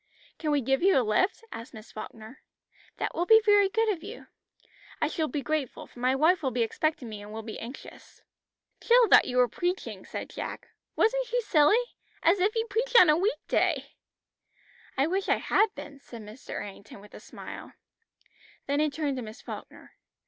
"Can we give you a lift?" asked Miss Falkner. "That will be very good of you. I shall be grateful for my wife will be expecting me and will be anxious." "Jill thought you were preaching," said Jack. "Wasn't she silly? As if you'd preach on a weekday!" "I wish I had been," said Mr. Errington with a smile. Then he turned to Miss Falkner.